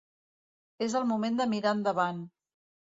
És el moment de mirar endavant.